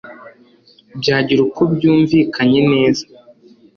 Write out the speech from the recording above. byagira uko byumvikanye neza